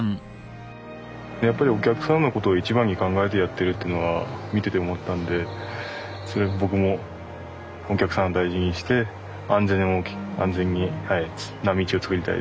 やっぱりお客さんのことを一番に考えてやってるっていうのは見てて思ったんでそれで僕もお客さんを大事にして安全な道を作りたいですね。